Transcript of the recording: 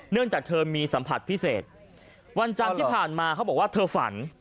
จากเธอมีสัมผัสพิเศษวันจันทร์ที่ผ่านมาเขาบอกว่าเธอฝัน